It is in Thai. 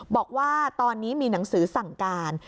บอกว่าตอนนี้มีหนังสือสั่งการ